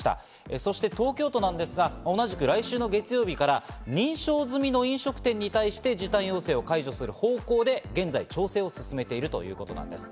そして東京都なんですが、同じく来週月曜日から認証済みの飲食店に対し、時短要請を解除する方向で現在調整を進めているということです。